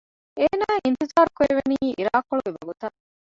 އޭނާއަށް އިންތިޒާރު ކުރެވެނީ އިރާކޮޅުގެ ވަގުތަށް